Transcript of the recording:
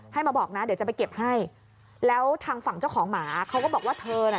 ให้มาบอกนะเดี๋ยวจะไปเก็บให้แล้วทางฝั่งเจ้าของหมาเขาก็บอกว่าเธอน่ะ